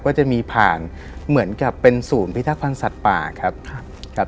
ก็จะมีผ่านเหมือนกับเป็นศูนย์พิทักษพันธ์สัตว์ป่าครับครับ